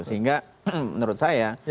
sehingga menurut saya